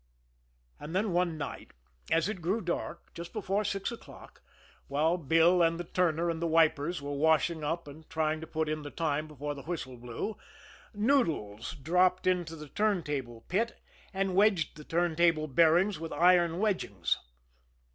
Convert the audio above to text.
And then one night as it grew dark, just before six o'clock, while Bill and the turner and the wipers were washing up and trying to put in the time before the whistle blew, Noodles dropped into the turntable pit and wedged the turntable bearings with iron wedgings.